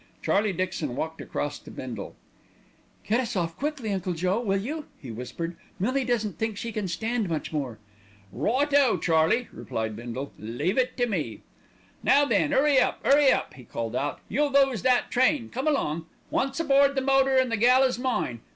Charlie Dixon walked across to Bindle. "Get us off quickly, Uncle Joe, will you," he whispered. "Millie doesn't think she can stand much more." "Right o, Charlie!" replied Bindle. "Leave it to me." "Now then, 'urry up, 'urry up!" he called out. "You'll lose that train, come along. Once aboard the motor and the gal is mine!